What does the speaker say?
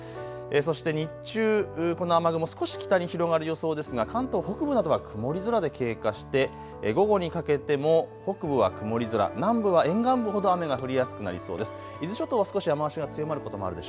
そして日中この雨雲少し北に広がる予想ですが関東北部などは曇り空で経過して午後にかけても北部は曇り空、南部は沿岸部ほど雨が降りやすくなりそうです。